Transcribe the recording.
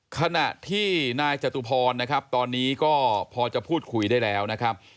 ขณะที่นายจตุพรนะครับตอนนี้ก็พอจะพูดคุยได้แล้วนะครับ